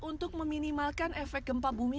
untuk meminimalkan efek gempa bumi